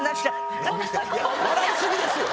笑い過ぎですよ。